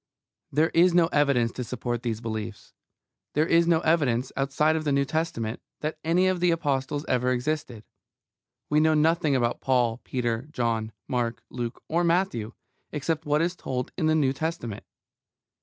There is no evidence to support these beliefs. There is no evidence, outside the New Testament, that any of the Apostles ever existed. We know nothing about Paul, Peter, John, Mark, Luke, or Matthew, except what is told in the New Testament.